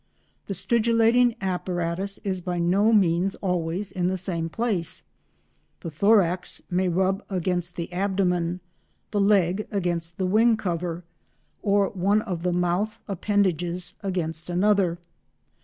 The stridulating apparatus is by no means always in the same place; the thorax may rub against the abdomen, the leg against the wing cover, or one of the mouth appendages against another.